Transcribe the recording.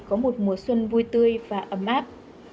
có một mùa xuân vui tươi và ấm áp